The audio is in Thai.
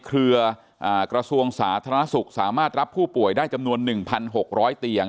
เครือกระทรวงสาธารณสุขสามารถรับผู้ป่วยได้จำนวน๑๖๐๐เตียง